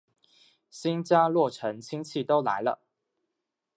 新家落成亲戚都来了